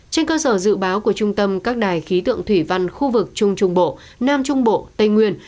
trên cơ sở dự báo của trung tâm các đài khí tượng thủy văn khu vực trung trung bộ nam trung bộ tây nguyên